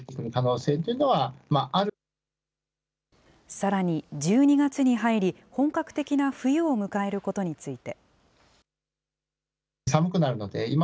さらに、１２月に入り、本格的な冬を迎えることについて。